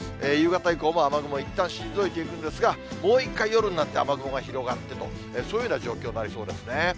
夕方以降も雨雲いったん退いていくんですが、もう一回、夜になって雨雲が広がってと、そういうような状況になりそうですね。